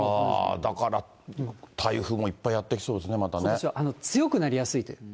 だから台風もいっぱいやって来そうですね、ことしは強くなりやすいという。